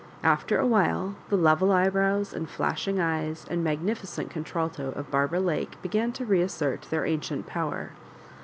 After a while the level eyebrows and flashing eyes and magnificent contralto of Barbara Lake began to reassert their ancient power.